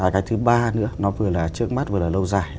cái thứ ba nữa nó vừa là trước mắt vừa là lâu dài